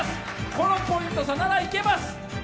このポイント差ならいけます。